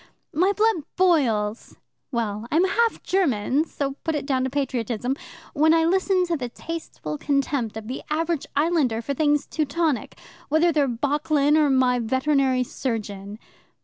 My blood boils well, I'm half German, so put it down to patriotism when I listen to the tasteful contempt of the average islander for things Teutonic, whether they're Bocklin or my veterinary surgeon.